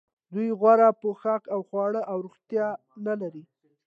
دوی غوره پوښاک او خواړه او روغتیا نلري